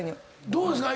どうですか？